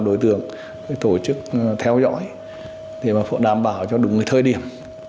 đối tượng phải tổ chức theo dõi để đảm bảo cho đúng thời điểm